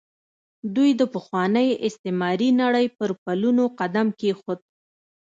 دوی د پخوانۍ استعماري نړۍ پر پلونو قدم کېښود.